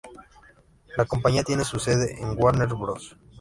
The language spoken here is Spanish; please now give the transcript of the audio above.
La compañía tiene su sede en Warner Bros.